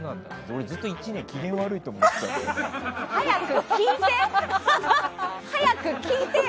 俺、ずっと１年機嫌悪いと思われてたんだって。